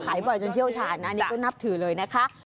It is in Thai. บ่อยจนเชี่ยวชาญอันนี้ก็นับถือเลยนะคะ